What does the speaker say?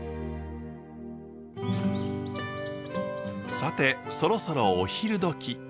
さてそろそろお昼どき。